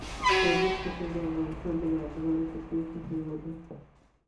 تاجک توکم د افغانستان له با اعتباره توکمونو څخه یو دی.